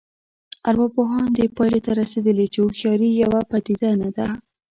ارواپوهان دې پایلې ته رسېدلي چې هوښیاري یوه پدیده نه ده